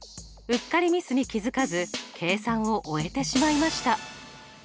うっかりミスに気付かず計算を終えてしまいました。